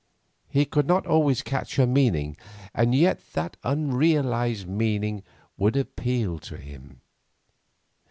He could not always catch her meaning, and yet that unrealised meaning would appeal to him.